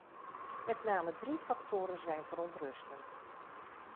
Met name drie factoren zijn verontrustend.